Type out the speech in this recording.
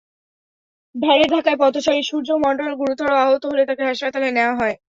ভ্যানের ধাক্কায় পথচারী সূর্য্য মণ্ডল গুরুতর আহত হলে তাঁকে হাসপাতালে নেওয়া হয়।